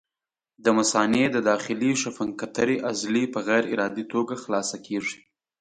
د مثانې د داخلي سفنکترې عضلې په غیر ارادي توګه خلاصه کېږي.